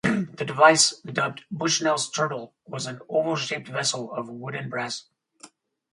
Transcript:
The device, dubbed Bushnell's Turtle, was an oval-shaped vessel of wood and brass.